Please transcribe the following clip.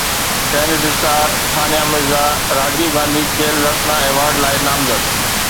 tense star Sania Mirza Rajiv Gandhi Khel Ratna award لاءِ نامزد